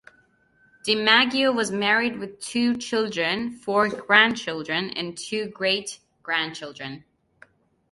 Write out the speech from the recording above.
DiMaggio was married with two children, four grandchildren and two great-grandchildren.